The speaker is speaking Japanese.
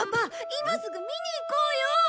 今すぐ見に行こうよ！